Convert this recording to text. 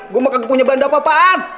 gue maka gue punya bandara apaan